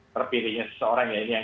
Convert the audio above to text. terpilihnya seseorang ya ini yang